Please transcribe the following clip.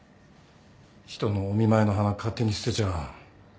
人のお見舞いの花勝手に捨てちゃ。